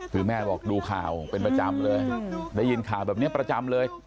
คือแม่บอกดูข่าวเป็นประจำเลยได้ยินข่าวแบบนี้ประจำเลย